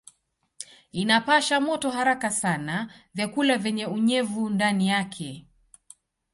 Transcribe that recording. Inapasha moto haraka sana vyakula vyenye unyevu ndani yake.